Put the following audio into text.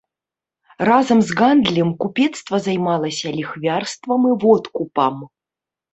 Разам з гандлем купецтва займалася ліхвярствам і водкупам.